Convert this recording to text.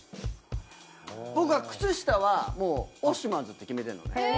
僕は靴下はもうオッシュマンズって決めてんのね。